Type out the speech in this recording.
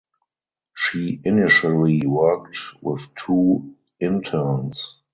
She initially worked with two interns.